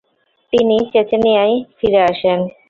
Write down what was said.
তিনি চেচনিয়ায় ফিরে আসেন।